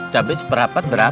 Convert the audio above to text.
tapi seperapat berapa